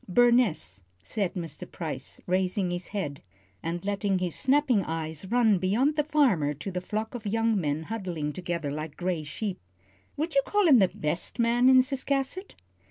"Burness," said Mr. Price, raising his head, and letting his snapping eyes run beyond the farmer to the flock of young men huddling together like gray sheep. "Would you call him the best man in Ciscasset?"